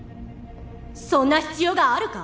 そんな必要があるか？